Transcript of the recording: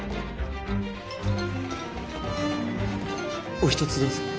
お一つどうぞ。